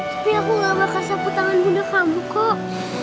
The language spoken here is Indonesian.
tapi aku gak bakal sapu tangan bunda kamu kok